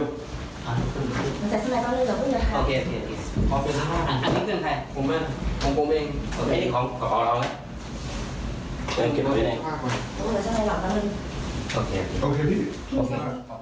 โอเคพี่